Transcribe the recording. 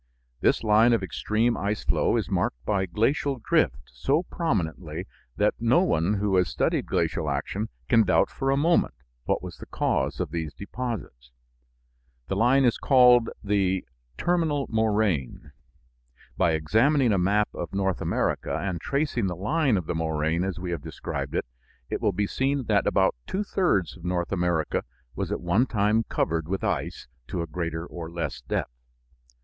This line of extreme ice flow is marked by glacial drift so prominently that no one who has studied glacial action can doubt for a moment what was the cause of these deposits. The line is called the "terminal moraine." By examining a map of North America and tracing the line of the moraine as we have described it, it will be seen that about two thirds of North America was at one time covered with ice to a greater or less depth.